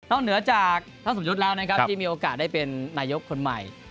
น้องเหนือจากทั้งสมยุตแล้วที่มีโอกาสเป็นนายกคนใหม่